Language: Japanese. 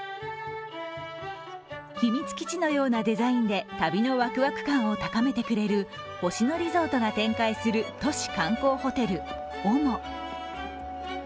秘密基地のようなデザインで、旅のワクワク感を高めてくれる星野リゾートが展開する都市観光ホテルＯＭＯ。